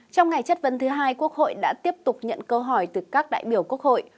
trong ngày chất vấn thứ hai quốc hội đã tiếp tục nhận câu hỏi từ các đại biểu quốc hội